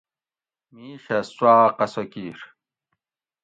مِیش اۤ سُواۤ قصہ کِیر